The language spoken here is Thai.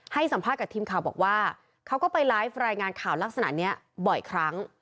สัมภาษณ์กับทีมข่าวบอกว่าเขาก็ไปไลฟ์รายงานข่าวลักษณะนี้บ่อยครั้ง